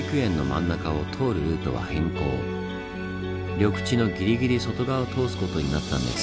緑地のギリギリ外側を通すことになったんです。